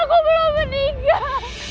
aku belum meninggal